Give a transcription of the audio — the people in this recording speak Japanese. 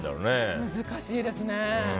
難しいですね。